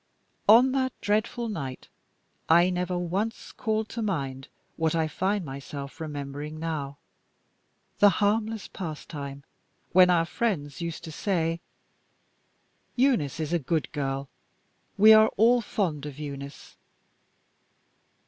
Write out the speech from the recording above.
On that dreadful night, I never once called to mind what I find myself remembering now the harmless past time, when our friends used to say: "Eunice is a good girl; we are all fond of Eunice."